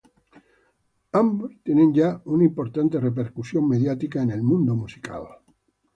Ambos tienen ya una importante repercusión mediática en el mundo musical.